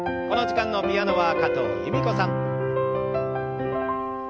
この時間のピアノは加藤由美子さん。